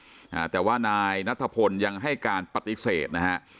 อ่าแต่ว่านายนัทพลยังให้การปฏิเสธนะฮะ